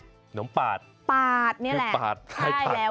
ขนมปาดคือปาดให้ปาดหวานใช่แล้ว